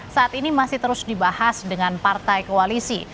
saat ini masih terus dibahas dengan partai koalisi